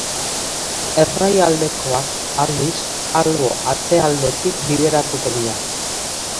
Errai aldekoak, aldiz, albo-atzealdetik bideratuko dira.